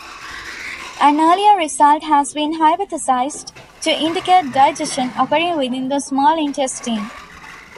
An earlier result has been hypothesized to indicate digestion occurring within the small intestine.